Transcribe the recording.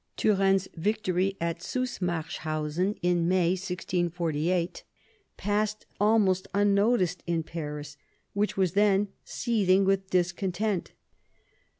Turenne's victory of Zusmarshausen in May 1648 passed almost unnoticed in Paris, which was then seething with discontent.